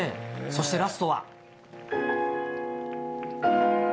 そしてラストは。